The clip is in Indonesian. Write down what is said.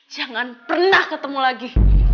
jangan pernah ketemu lagi